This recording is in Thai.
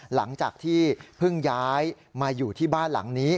หลังจากที่เพิ่งย้ายมาอยู่ที่บ้านหลังนี้